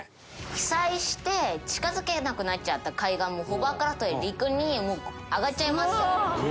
被災して近づけなくなっちゃった海岸もホバークラフトで陸にもう上がっちゃいます。